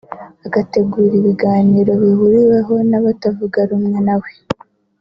agategura ibiganiro bihuriweho n’abatavuga rumwe nawe